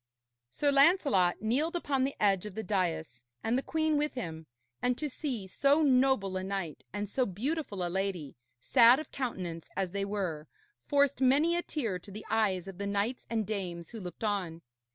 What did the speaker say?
Sir Lancelot kneeled upon the edge of the dais, and the queen with him; and to see so noble a knight and so beautiful a lady, sad of countenance as they were, forced many a tear to the eyes of the knights and dames who looked on.